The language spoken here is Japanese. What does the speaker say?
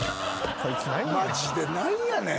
マジで何やねん！